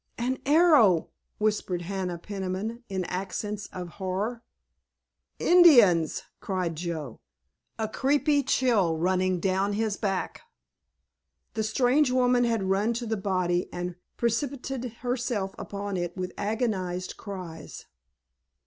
"An arrow!" whispered Hannah Peniman in accents of horror. "Indians!" cried Joe, a creepy chill running down his back. The strange woman had run to the body and precipitated herself upon it with agonized cries.